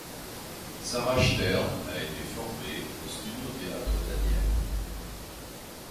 Sarah Stern a été formée au Studio Théâtre d'Asnières.